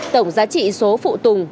tổng giá trị số phụ tùng